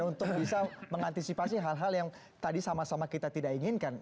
untuk bisa mengantisipasi hal hal yang tadi sama sama kita tidak inginkan